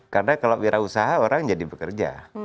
karena kalau wirausaha orang jadi bekerja